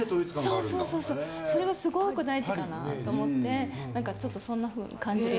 それがすごく大事かなと思ってちょっとそんなふうな感じで。